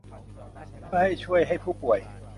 เพื่อให้ช่วยให้ผู้ป่วย